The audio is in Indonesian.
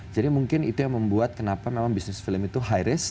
jadi mungkin itu yang membuat kenapa memang bisnis film itu high risk